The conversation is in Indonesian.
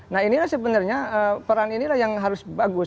nah inilah sebenarnya peran inilah yang harus bagus